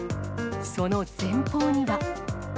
その前方には。